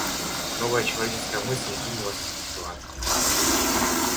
Новая человеческая мысль двинулась и потекла.